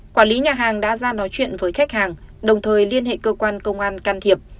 quản lý nhà hàng đã ra nói chuyện với khách hàng đồng thời liên hệ cơ quan công an can thiệp